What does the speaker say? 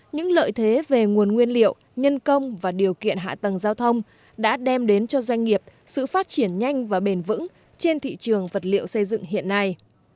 những lợi thế về nguồn nguyên liệu nhân công và điều kiện hạ tầng giao thông đã đem đến cho doanh nghiệp sự phát triển nhanh và bền vững trên thị trường vật liệu xây dựng hiện nay